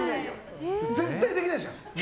絶対できないじゃん。